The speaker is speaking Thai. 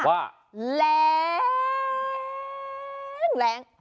แร้ง